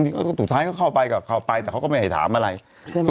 ชักว่าผิดความทิ้งไม่ได้ห่วง